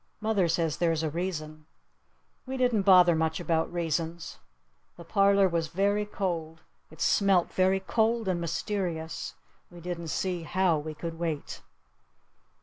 Mother says there's a reason. We didn't bother much about reasons. The parlor was very cold. It smelt very cold and mysterious. We didn't see how we could wait!